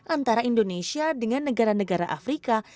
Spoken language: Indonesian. antara indonesia dengan negara negara afrika